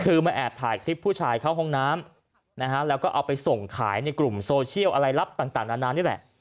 คือมาแอบถ่ายคลิปผู้ชายเข้าห้องน้ำนะฮะแล้วก็เอาไปส่งขายในกลุ่มโซเชียลอะไรลับต่างนานนี่แหละ